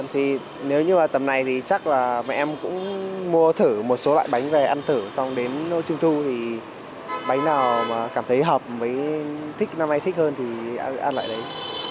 thì nếu như mà tầm này thì chắc là bọn em cũng mua thử một số loại bánh về ăn thử xong đến trung thu thì bánh nào mà cảm thấy hợp mới thích năm nay thích hơn thì anh ăn lại đấy